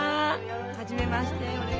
はじめまして。